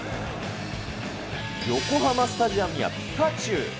横浜スタジアムには、ピカチュウ。